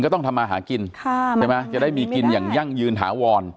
ต้องทำมาหากินใช่ไหมจะได้มีกินอย่างยั่งยืนถาวร